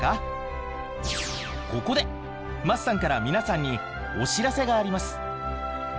ここで桝さんから皆さんにお知らせがあります。